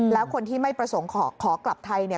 แล้วคนที่ไม่ประสงค์ขอกลับไทยเนี่ย